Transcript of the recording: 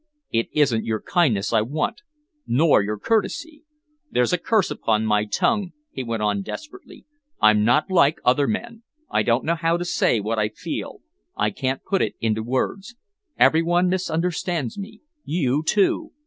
"It isn't your kindness I want, nor your courtesy! There's a curse upon my tongue," he went on desperately. "I'm not like other men. I don't know how to say what I feel. I can't put it into words. Every one misunderstands me. You, too!